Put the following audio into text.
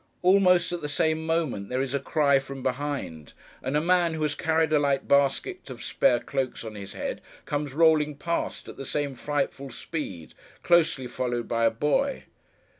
Almost at the same moment, there is a cry from behind; and a man who has carried a light basket of spare cloaks on his head, comes rolling past, at the same frightful speed, closely followed by a boy.